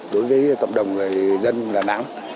đối với cộng đồng người dân đà nẵng